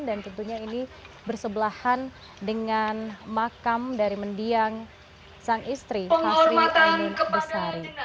dan tentunya ini bersebelahan dengan makam dari mendiang sang istri hasri ayu besari